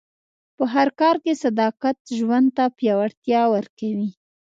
په هر کار کې صداقت ژوند ته پیاوړتیا ورکوي.